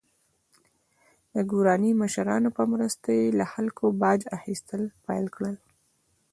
د ګوراني مشرانو په مرسته یې له خلکو باج اخیستل پیل کړل.